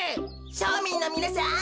しょみんのみなさん